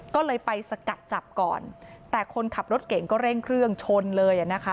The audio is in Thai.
ก็เลยไปสกัดจับก่อนแต่คนขับรถเก่งก็เร่งเครื่องชนเลยอ่ะนะคะ